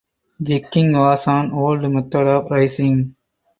Gigging was an old method of raising.